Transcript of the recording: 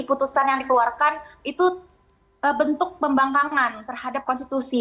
putusan yang dikeluarkan itu bentuk pembangkangan terhadap konstitusi